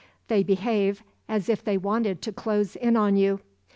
They behave as if they wanted to close in on you.